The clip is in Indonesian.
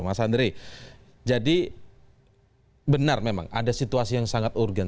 mas andre jadi benar memang ada situasi yang sangat urgen